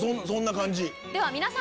そんな感じ。